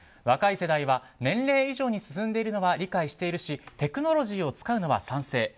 若い世代は年齢以上に進んでいるのは理解しているしテクノロジーを使うのは賛成。